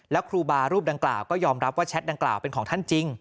แล้วครูบารูปดังกล่าวก็ยอมรับว่าแชทดังกล่าวเป็นของท่านจริง